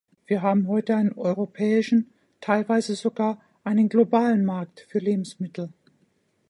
Wir haben heute einen europäischen, teilweise sogar einen globalen Markt für Lebensmittel.